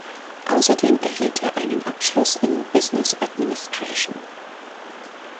Außerdem erhielt er einen Abschluss in Business Administration.